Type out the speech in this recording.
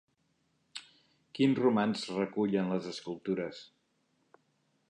Quin romanç recullen les escultures?